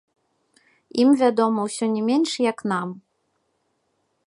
Ім вядома ўсё не менш, як нам.